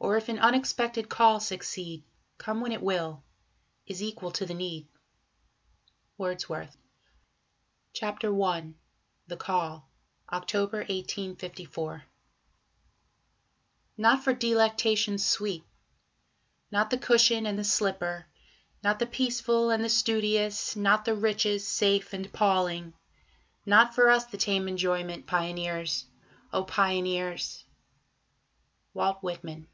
Or if an unexpected call succeed, Come when it will, is equal to the need. WORDSWORTH. CHAPTER I THE CALL (October 1854) Not for delectations sweet, Not the cushion and the slipper, not the peaceful and the studious, Not the riches safe and palling, not for us the tame enjoyment, Pioneers! O pioneers! WALT WHITMAN.